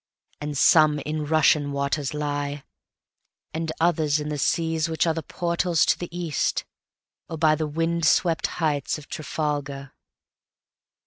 And some in Russian waters lie, And others in the seas which areThe portals to the East, or byThe wind swept heights of Trafalgar.